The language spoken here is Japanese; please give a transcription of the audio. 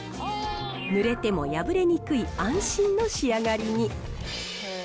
ぬれても破れにくい安心の仕上がりに。